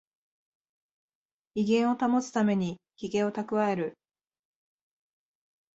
威厳を保つためにヒゲをたくわえる